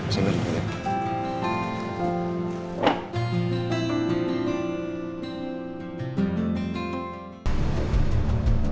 sambil tidur ya